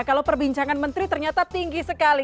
kalau perbincangan menteri ternyata tinggi sekali